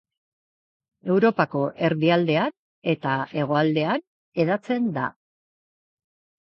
Europako erdialdean eta hegoaldean hedatzen da.